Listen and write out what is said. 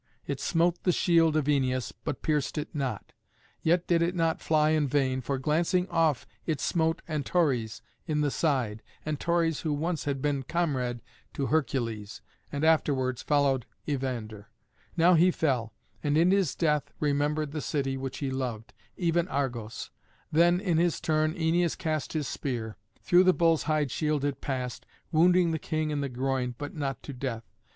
It smote the shield of Æneas, but pierced it not. Yet did it not fly in vain, for glancing off it smote Antores in the side Antores who once had been comrade to Hercules, and afterwards followed Evander. Now he fell, and in his death remembered the city which he loved, even Argos. Then in his turn Æneas cast his spear. Through the bull's hide shield it passed, wounding the king in the groin, but not to death.